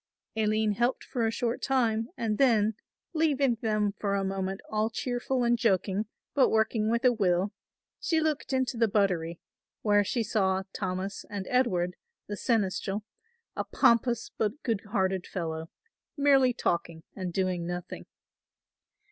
Aline helped for a short time and then, leaving them for a moment all cheerful and joking but working with a will, she looked into the buttery, where she saw Thomas and Edward, the seneschal, a pompous but good hearted fellow, merely talking and doing nothing.